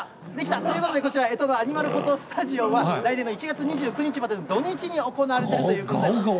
ということで、干支のアニマルフォトスタジオは来年の１月２９日までの土日に行われるということです。